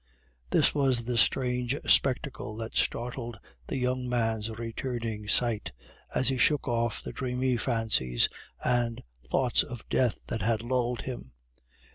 This was the strange spectacle that startled the young man's returning sight, as he shook off the dreamy fancies and thoughts of death that had lulled him.